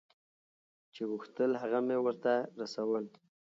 چې غوښتل هغه مې ورته رسول.